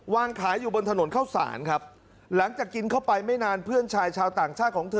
วางขายอยู่บนถนนเข้าสารครับหลังจากกินเข้าไปไม่นานเพื่อนชายชาวต่างชาติของเธอ